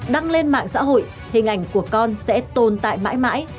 đăng lên mạng xã hội hình ảnh của con sẽ tồn tại mãi mãi